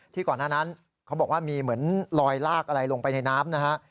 ก่อนหน้านั้นเขาบอกว่ามีเหมือนลอยลากอะไรลงไปในน้ำนะฮะ